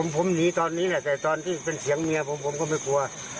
ผมหนีตอนนี้แหละแต่ตอนที่เป็นเสียงเมียผมผมก็ไม่กลัว